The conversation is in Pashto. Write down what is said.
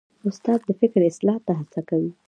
استاد د فکر اصلاح ته هڅه کوي.